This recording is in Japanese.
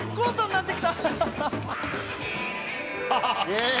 イエイ！